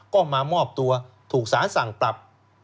ก็มามอบตัวถูกสารสั่งปรับ